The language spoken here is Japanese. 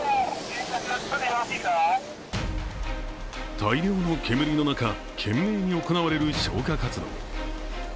大量の煙の中懸命に行われる消火活動。